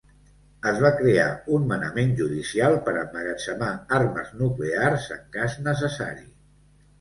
Es va crear un manament judicial per emmagatzemar armes nuclears en cas necessari.